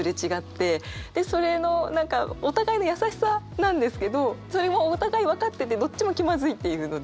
でそれの何かお互いの優しさなんですけどそれもお互い分かっててどっちも気まずいっていうので。